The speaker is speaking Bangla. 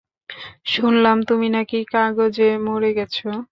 শুনলাম তুমি নাকি কাগজে মরে গেছো।